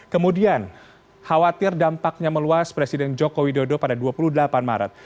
kemudian khawatir dampaknya meluas presiden joko widodo pada dua puluh delapan maret